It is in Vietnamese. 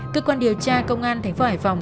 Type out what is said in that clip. cơ quan điều tra công an thành phố hải phòng